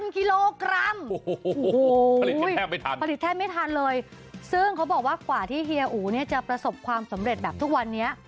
๑๐๐๐กิโลกรัมผลิตแทบไม่ทันเลยซึ่งเขาบอกว่ากว่าที่เฮียอูเนี่ยจะประสบความสำเร็จแบบทุกวันนี้